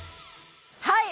はい！